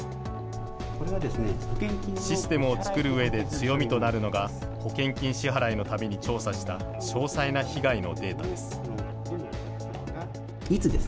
システムを作るうえで強みとなるのが、保険金支払いのために調査した、詳細な被害のデータです。